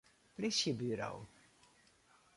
Plysjeburo.